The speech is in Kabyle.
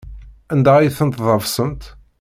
Anda ay ten-tḍefsemt?